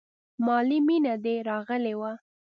مالې مينه دې راغلې وه.